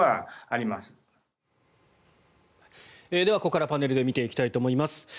では、ここからパネルで見ていきたいと思います。